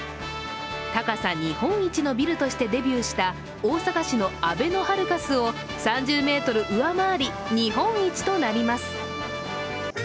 高さ日本一のビルとしてデビューした大阪市のあべのハルカスを３０ｍ上回り日本一となります。